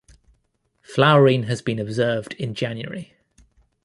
Flowering has been observed in January.